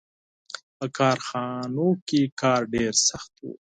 • په کارخانو کې کار ډېر سخت و.